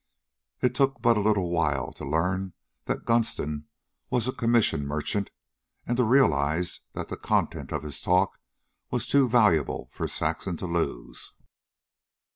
It took but a little while to learn that Gunston was a commission merchant, and to realize that the content of his talk was too valuable for Saxon to lose.